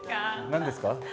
何ですか？